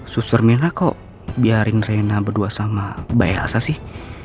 susur mirna kok biarin rena berdua sama mbak elsa sih